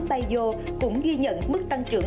bayo cũng ghi nhận mức tăng trưởng